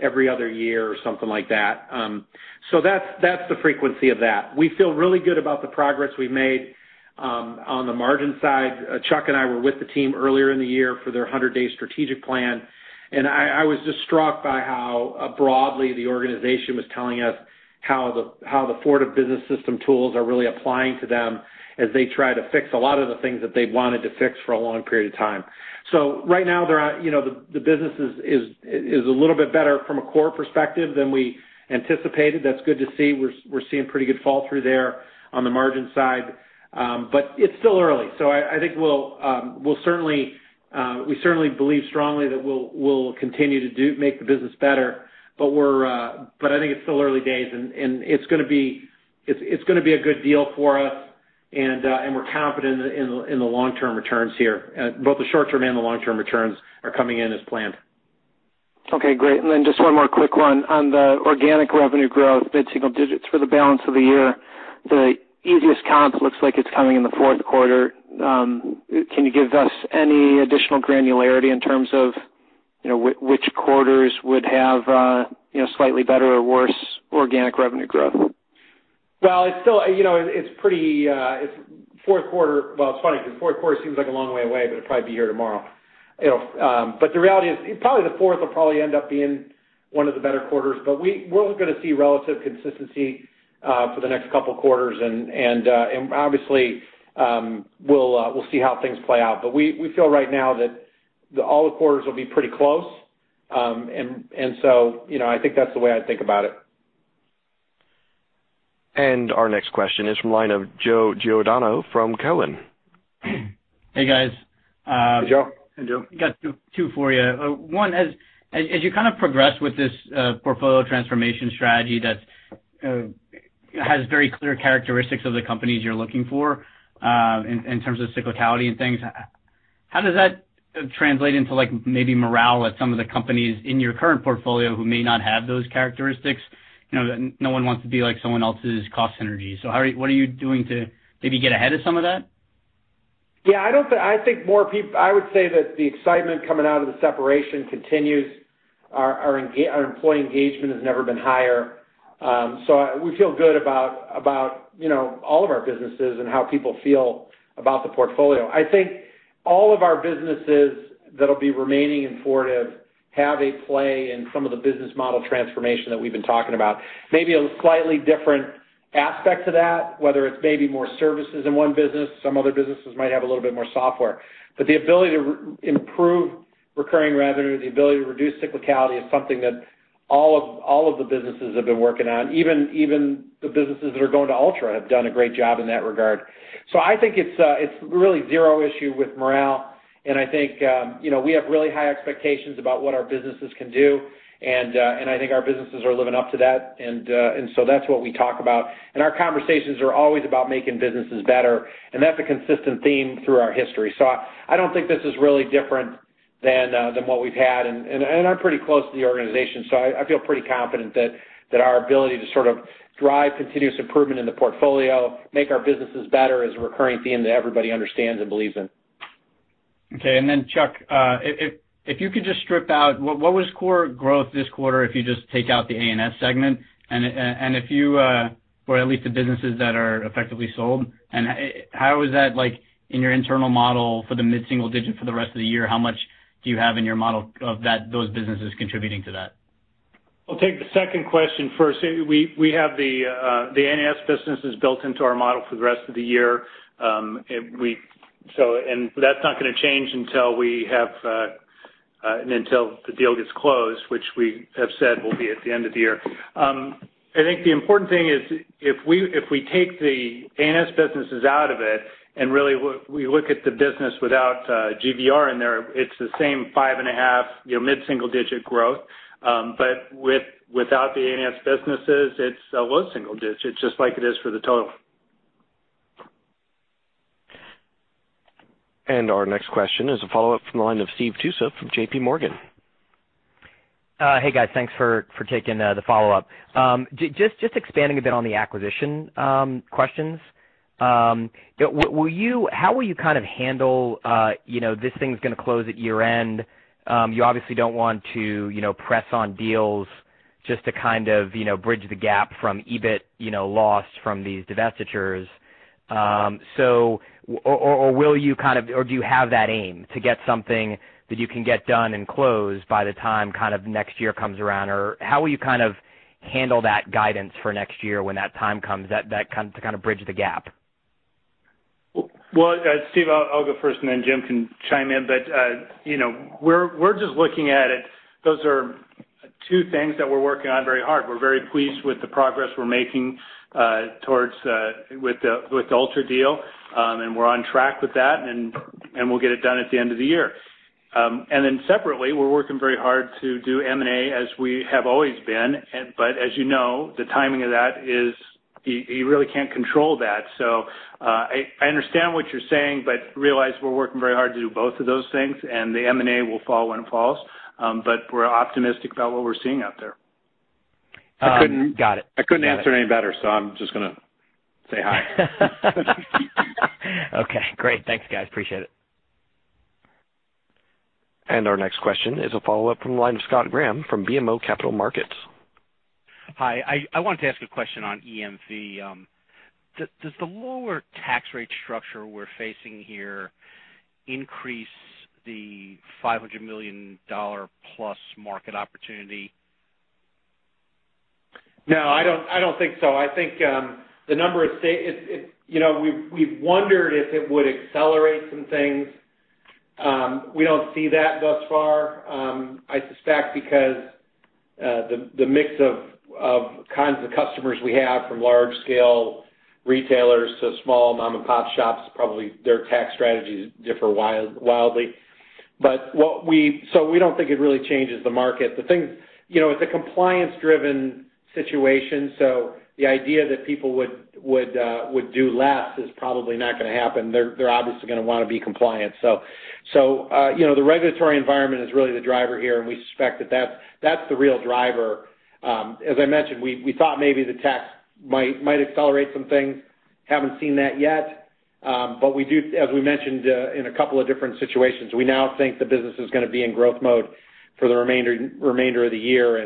every other year or something like that. That's the frequency of that. We feel really good about the progress we've made on the margin side. Chuck and I were with the team earlier in the year for their 100-day strategic plan, I was just struck by how broadly the organization was telling us how the Fortive Business System tools are really applying to them as they try to fix a lot of the things that they've wanted to fix for a long period of time. Right now, the business is a little bit better from a core perspective than we anticipated. That's good to see. We're seeing pretty good fall through there on the margin side. It's still early. I think we certainly believe strongly that we'll continue to make the business better, but I think it's still early days, and it's going to be a good deal for us, and we're confident in the long-term returns here. Both the short-term and the long-term returns are coming in as planned. Okay, great. Just one more quick one. On the organic revenue growth, mid-single digits for the balance of the year, the easiest comp looks like it's coming in the fourth quarter. Can you give us any additional granularity in terms of which quarters would have slightly better or worse organic revenue growth? Well, it's funny because fourth quarter seems like a long way away, but it'll probably be here tomorrow. The reality is, probably the fourth will probably end up being one of the better quarters. We're going to see relative consistency for the next couple of quarters, and obviously, we'll see how things play out. We feel right now that all the quarters will be pretty close, I think that's the way I'd think about it. Our next question is from line of Joe Giordano from Cowen. Hey, guys. Hey, Joe. Hey, Joe. Got two for you. One, as you kind of progress with this portfolio transformation strategy, has very clear characteristics of the companies you're looking for in terms of cyclicality and things. How does that translate into maybe morale at some of the companies in your current portfolio who may not have those characteristics? No one wants to be like someone else's cost synergy. What are you doing to maybe get ahead of some of that? Yeah, I would say that the excitement coming out of the separation continues. Our employee engagement has never been higher. We feel good about all of our businesses and how people feel about the portfolio. I think all of our businesses that'll be remaining in Fortive have a play in some of the business model transformation that we've been talking about. Maybe a slightly different aspect to that, whether it's maybe more services in one business, some other businesses might have a little bit more software. The ability to improve recurring revenue, the ability to reduce cyclicality, is something that all of the businesses have been working on. Even the businesses that are going to Altra have done a great job in that regard. I think it's really zero issue with morale, and I think we have really high expectations about what our businesses can do, and I think our businesses are living up to that. That's what we talk about. Our conversations are always about making businesses better, and that's a consistent theme through our history. I don't think this is really different than what we've had, and I'm pretty close to the organization, so I feel pretty confident that our ability to sort of drive continuous improvement in the portfolio, make our businesses better, is a recurring theme that everybody understands and believes in. Chuck, if you could just strip out what was core growth this quarter, if you just take out the ANS segment, or at least the businesses that are effectively sold, how is that like in your internal model for the mid-single digit for the rest of the year? How much do you have in your model of those businesses contributing to that? I'll take the second question first. We have the ANS businesses built into our model for the rest of the year, and that's not going to change until the deal gets closed, which we have said will be at the end of the year. I think the important thing is if we take the ANS businesses out of it and really we look at the business without GVR in there, it's the same five and a half, mid-single digit growth. Without the ANS businesses, it's low single digit, just like it is for the total. Our next question is a follow-up from the line of Steve Tusa from JPMorgan. Hey, guys. Thanks for taking the follow-up. Just expanding a bit on the acquisition questions. How will you kind of handle this thing's going to close at year-end. You obviously don't want to press on deals just to kind of bridge the gap from EBIT lost from these divestitures. Do you have that aim to get something that you can get done and closed by the time next year comes around? How will you kind of handle that guidance for next year when that time comes to kind of bridge the gap? Well, Steve, I'll go first, and then Jim can chime in. We're just looking at it. Those are two things that we're working on very hard. We're very pleased with the progress we're making with the Altra deal, and we're on track with that, and we'll get it done at the end of the year. Separately, we're working very hard to do M&A as we have always been. As you know, the timing of that is you really can't control that. I understand what you're saying, but realize we're working very hard to do both of those things, and the M&A will fall when it falls, but we're optimistic about what we're seeing out there. Got it. I couldn't answer any better, so I'm just going to say hi. Okay, great. Thanks, guys. Appreciate it. Our next question is a follow-up from the line of Scott Graham from BMO Capital Markets. Hi, I wanted to ask a question on EMV. Does the lower tax rate structure we're facing here increase the $500 million+ market opportunity? No, I don't think so. We've wondered if it would accelerate some things. We don't see that thus far. I suspect because the mix of kinds of customers we have, from large scale retailers to small mom-and-pop shops, probably their tax strategies differ wildly. We don't think it really changes the market. It's a compliance driven situation, the idea that people would do less is probably not going to happen. They're obviously going to want to be compliant. The regulatory environment is really the driver here, and we suspect that that's the real driver. As I mentioned, we thought maybe the tax might accelerate some things. Haven't seen that yet. As we mentioned in a couple of different situations, we now think the business is going to be in growth mode for the remainder of the year.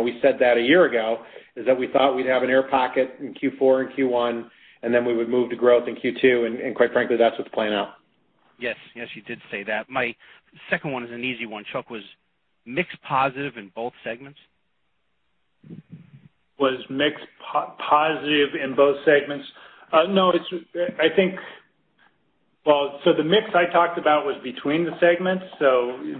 We said that a year ago, is that we thought we'd have an air pocket in Q4 and Q1, then we would move to growth in Q2, and quite frankly, that's what's playing out. Yes, you did say that. My second one is an easy one, Chuck. Was mix positive in both segments? Was mix positive in both segments? No. The mix I talked about was between the segments.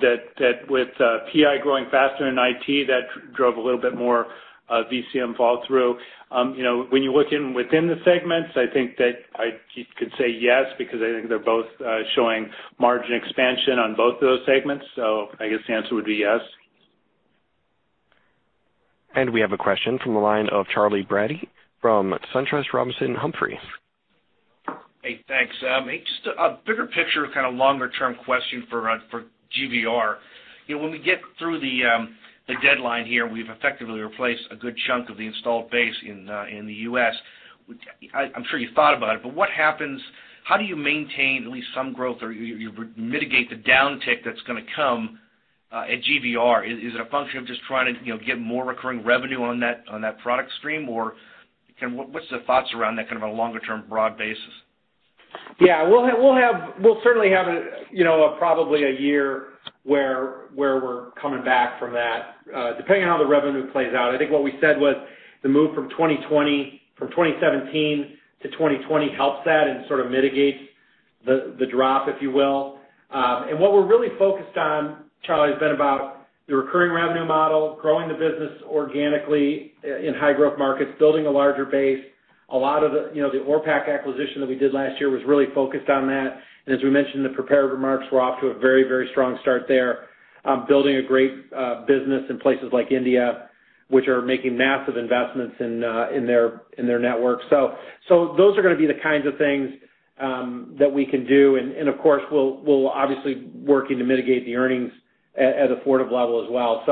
That with PI growing faster than IT, that drove a little bit more VCM fall through. When you look in within the segments, I think that I could say yes, because I think they're both showing margin expansion on both of those segments. I guess the answer would be yes. We have a question from the line of Charley Brady from SunTrust Robinson Humphrey. Hey, thanks. Just a bigger picture, kind of longer-term question for GVR. When we get through the deadline here, we've effectively replaced a good chunk of the installed base in the U.S. I'm sure you've thought about it, but what happens? How do you maintain at least some growth, or you mitigate the downtick that's going to come at GVR? Is it a function of just trying to get more recurring revenue on that product stream? What's the thoughts around that kind of a longer-term broad basis? Yeah. We'll certainly have probably a year where we're coming back from that, depending on how the revenue plays out. I think what we said was the move from 2017 to 2020 helps that and sort of mitigates the drop, if you will. What we're really focused on, Charley, has been about the recurring revenue model, growing the business organically in high growth markets, building a larger base. A lot of the Orpak acquisition that we did last year was really focused on that. As we mentioned in the prepared remarks, we're off to a very strong start there, building a great business in places like India, which are making massive investments in their network. Those are going to be the kinds of things that we can do. Of course, we'll obviously working to mitigate the earnings at a Fortive level as well.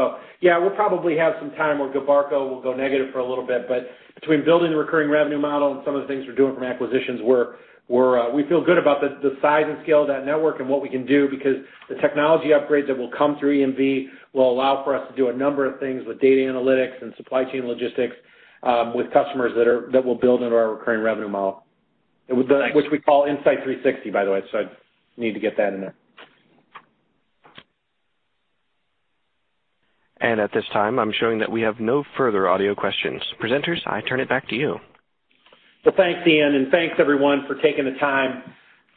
Yeah, we'll probably have some time where Gilbarco will go negative for a little bit, but between building the recurring revenue model and some of the things we're doing from acquisitions, we feel good about the size and scale of that network and what we can do because the technology upgrades that will come through EMV will allow for us to do a number of things with data analytics and supply chain logistics with customers that will build into our recurring revenue model. Thanks. Which we call Insight 360, by the way. I need to get that in there. At this time, I'm showing that we have no further audio questions. Presenters, I turn it back to you. Well, thanks, Ian, and thanks, everyone, for taking the time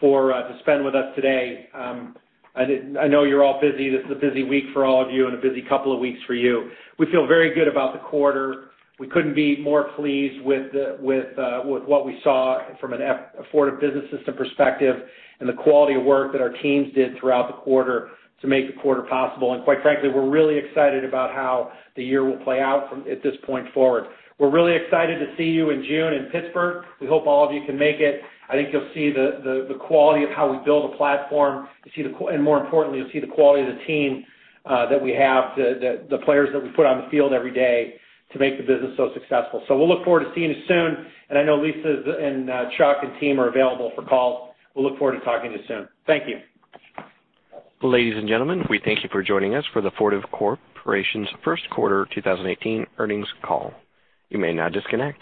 to spend with us today. I know you're all busy. This is a busy week for all of you and a busy couple of weeks for you. We feel very good about the quarter. We couldn't be more pleased with what we saw from a Fortive Business System perspective and the quality of work that our teams did throughout the quarter to make the quarter possible. Quite frankly, we're really excited about how the year will play out at this point forward. We're really excited to see you in June in Pittsburgh. We hope all of you can make it. I think you'll see the quality of how we build a platform, and more importantly, you'll see the quality of the team that we have, the players that we put on the field every day to make the business so successful. We'll look forward to seeing you soon. I know Lisa and Chuck and team are available for calls. We'll look forward to talking to you soon. Thank you. Ladies and gentlemen, we thank you for joining us for the Fortive Corporation's first quarter 2018 earnings call. You may now disconnect.